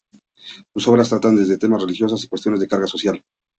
Sus obras trataban desde temas religiosos a cuestiones de carga social.